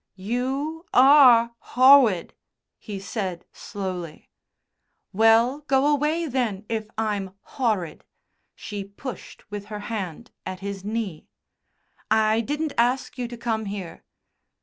"You are howwid," he said slowly. "Well, go away, then, if I'm horrid," she pushed with her hand at his knee. "I didn't ask you to come here."